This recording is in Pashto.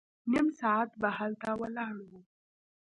نيم ساعت به هلته ولاړ وو.